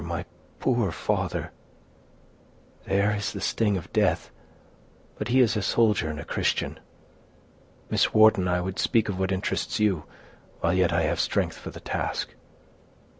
my poor father—" "There is the sting of death; but he is a soldier and a Christian. Miss Wharton, I would speak of what interests you, while yet I have strength for the task."